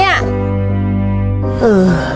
แม่เป็นยังไง